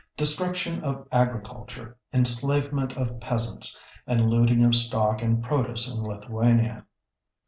Destruction of agriculture, enslavement of peasants, and looting of stock and produce in Lithuania.